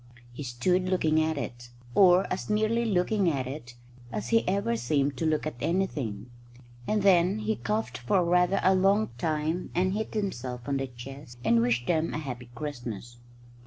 He stood looking at it, or as nearly looking at it as he ever seemed to look at anything; and then he coughed for rather a long time and hit himself on the chest and wished them a happy Christmas.